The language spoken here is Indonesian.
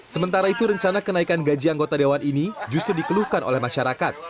sementara itu rencana kenaikan gaji anggota dewan ini justru dikeluhkan oleh masyarakat